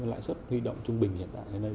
lãi suất huy động trung bình hiện tại